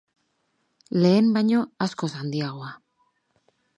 Lehen baino askoz handiagoa.